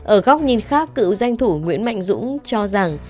ở góc nhìn khác cựu danh thủ nguyễn mạnh dũng cho rằng